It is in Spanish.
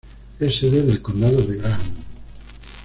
Es sede del condado de Graham.